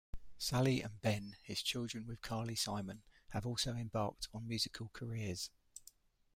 Sally and Ben, his children with Carly Simon, have also embarked on musical careers.